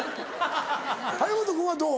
張本君はどう？